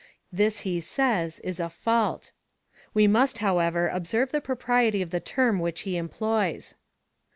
This, he says, is o. fault We must, however, observe the propriety of the term which he employs.